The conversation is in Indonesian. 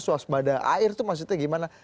suas badan air itu maksudnya gimana